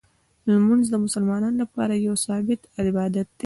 لمونځ د مسلمانانو لپاره یو ثابت عبادت دی.